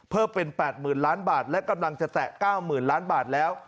เพิ่มเป็น๘๐๐๐ล้านบาทและกำลังจะแตะ๙๐๐ล้านบาทแล้ว